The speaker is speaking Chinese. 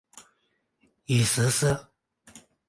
已实施。